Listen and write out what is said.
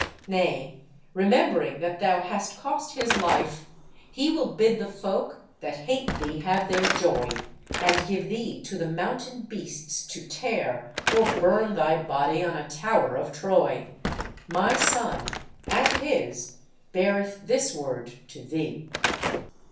Nay, remembering that thou hast 78 STORIES OF THE SUPER WOMEN cost his life, he will bid the folk that hate thee have their joy, and give thee to the mountain beasts to tear, or burn thy body on a tower of Troy! My son and his beareth this word to thee.